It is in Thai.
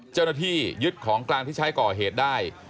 เจ้าหน้าที่ยึดของกลางที่ใช้ก่อเหตุได้